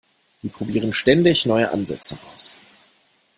Die probieren ständig neue Ansätze aus.